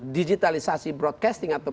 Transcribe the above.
digitalisasi broadcasting atau